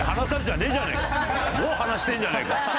もう離してんじゃねえか！